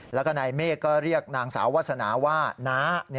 แล้วก็นายเมฆก็เรียกนางสาววาสนาว่าน้า